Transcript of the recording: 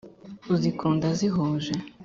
uzikunda zihuje